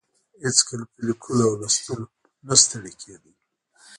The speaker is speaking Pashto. هېڅکله په لیکلو او لوستلو نه ستړې کیده.